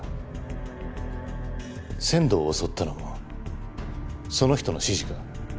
千堂を襲ったのもその人の指示か？